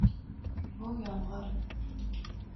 Bu yomg’ir –